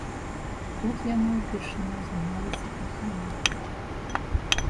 Тут яны ўпершыню займаліся каханнем.